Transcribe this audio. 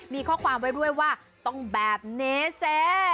มีข้อความไว้ด้วยว่าต้องแบบนี้เซ